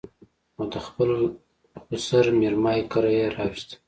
او د خپل سخر مېرمايي کره يې راوسته